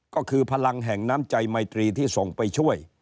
ก็คือพลังแห่งน้ำใจไมตรีที่ส่งไปช่วย